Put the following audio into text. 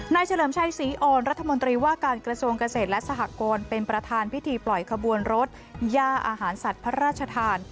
เฉลิมชัยศรีอ่อนรัฐมนตรีว่าการกระทรวงเกษตรและสหกรณ์เป็นประธานพิธีปล่อยขบวนรถย่าอาหารสัตว์พระราชทาน